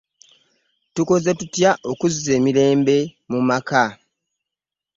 Tukoze tutya okuzza emirembe mu maka?